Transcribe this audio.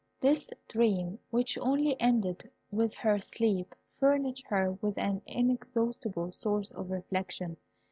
This dream, which only ended with her sleep, furnished her with an inexhaustible source of reflection.